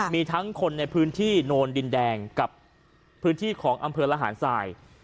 มีทั้งคนในพื้นที่โนนดินแดงกับพื้นที่ของอำเภอระหารสาย